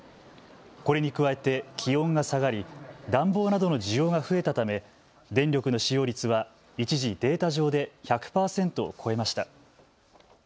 これに加えて気温が下がり暖房などの需要が増えたため電力の使用率は一時、データ上で１００％を超えました。